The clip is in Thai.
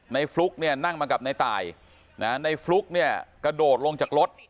ฟลุ๊กเนี่ยนั่งมากับในตายในฟลุ๊กเนี่ยกระโดดลงจากรถ